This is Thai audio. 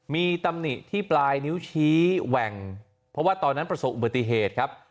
มีตำหนิที่ปลายนิ้วชี้แหว่งเพราะว่าตอนนั้นประสบอุบัติเหตุครับ